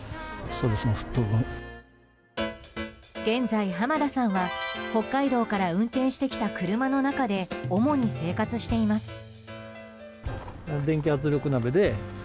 現在、濱田さんは北海道から運転してきた車の中で主に生活しています。